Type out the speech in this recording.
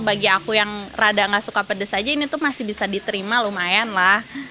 bagi aku yang rada nggak suka pedes aja ini tuh masih bisa diterima lumayan lah